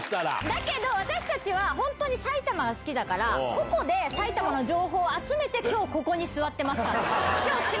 だけど、私たちは本当に埼玉が好きだから、個々で埼玉の情報を集めて、きょう、ここに座ってますから。